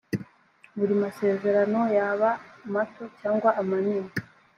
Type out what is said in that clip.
buri masezerano yaba amato cyangwa amanini